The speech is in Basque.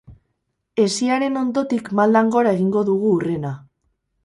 Hesiaren ondotik maldan gora egingo dugu hurrena.